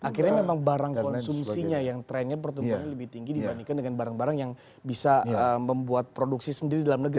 akhirnya memang barang konsumsinya yang trennya pertumbuhannya lebih tinggi dibandingkan dengan barang barang yang bisa membuat produksi sendiri dalam negeri